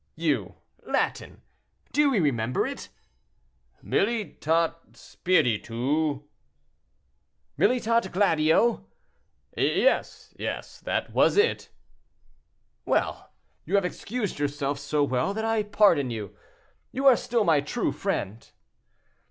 "You! Latin! Do you remember it?" "Militat spiritu—" "Militat gladio." "Yes, yes: that was it." "Well, you have excused yourself so well that I pardon you. You are still my true friend."